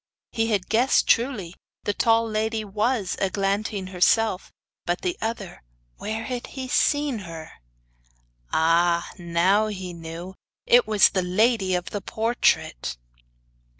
He had guessed truly: the tall lady was Eglantine herself; but the other where had he seen her? Ah! now he knew it was the lady of the portrait!